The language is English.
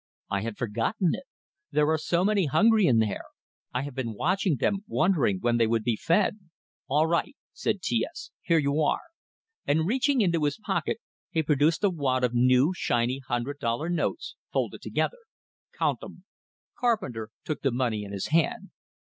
"I had forgotten it! There are so many hungry in there; I have been watching them, wondering when they would be fed." "All right," said T S. "Here you are." And reaching into his pocket, he produced a wad of new shiny hundred dollar notes, folded together. "Count 'em." Carpenter took the money in his hand.